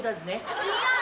違う！